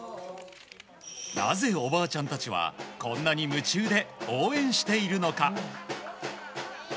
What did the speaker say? なぜ、おばあちゃんたちはこんなに夢中で応援しているのか。